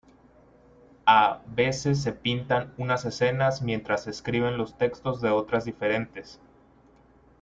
A veces se pintan unas escenas mientras se escriben los textos de otras diferentes.